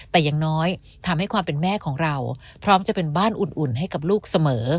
แต่อย่างน้อยทำให้ความเป็นแม่ของเราพร้อมจะเป็นบ้านอุ่นให้กับลูกเสมอ